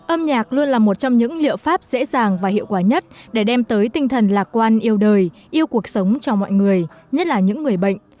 âm nhạc luôn là một trong những liệu pháp dễ dàng và hiệu quả nhất để đem tới tinh thần lạc quan yêu đời yêu cuộc sống cho mọi người nhất là những người bệnh